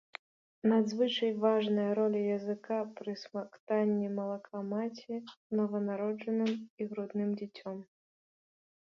Надзвычай важная роля языка пры смактанні малака маці нованароджаным і грудным дзіцем.